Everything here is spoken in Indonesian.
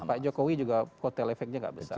pak jokowi juga kotel efeknya nggak besar